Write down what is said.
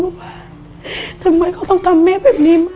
ว่าทำไมเขาต้องทำแม่แบบนี้